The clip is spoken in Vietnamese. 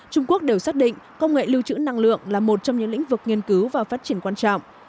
trung quốc đều xác định công nghệ lưu trữ năng lượng là một trong những lĩnh vực nghiên cứu và phát triển quan trọng